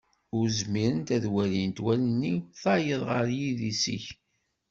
Ur zmirent ad walint wallen-iw tayeḍ ɣer yidis-ik.